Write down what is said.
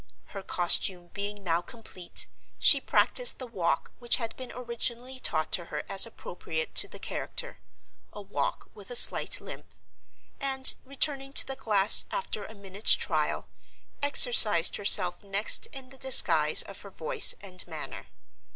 Her costume being now complete, she practiced the walk which had been originally taught her as appropriate to the character—a walk with a slight limp—and, returning to the glass after a minute's trial, exercised herself next in the disguise of her voice and manner.